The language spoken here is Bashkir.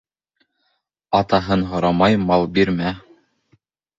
Атаһын һорамай мал бирмә.